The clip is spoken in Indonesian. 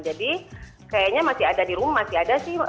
jadi kayaknya masih ada di rumah masih ada sih